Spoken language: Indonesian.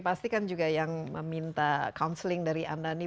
pasti kan juga yang meminta counseling dari anda ini